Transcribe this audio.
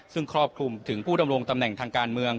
ซึ่งครอบคลุมถึงผู้ดำรงตำแหน่งทางการเมือง